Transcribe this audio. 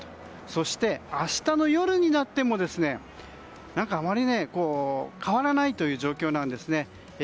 そして明日の夜になってもあまり変わらないという状況なんですね。